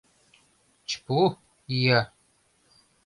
Чпу, ия.